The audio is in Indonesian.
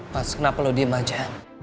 mas kenapa lo diem aja